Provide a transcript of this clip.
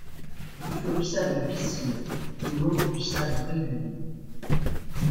Il faut du sable de piscine et non du sable régulier...